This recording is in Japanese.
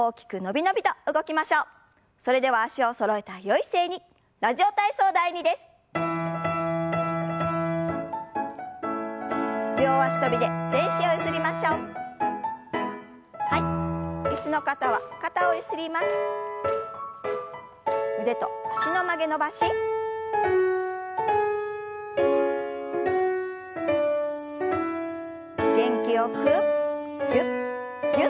元気よくぎゅっぎゅっと。